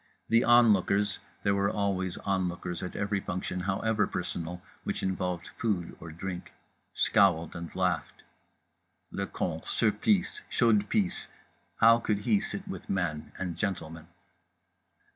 The onlookers (there were always onlookers at every function, however personal, which involved Food or Drink) scowled and laughed. Le con, Surplice, chaude pisse—how could he sit with men and gentlemen?